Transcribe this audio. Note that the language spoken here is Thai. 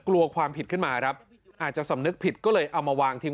กลัวความผิดขึ้นมาครับอาจจะสำนึกผิดก็เลยเอามาวางทิ้ง